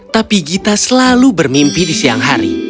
tapi gita selalu bermimpi di siang hari